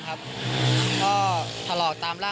แต่บาทชาติก็ไม่ได้แรงมาก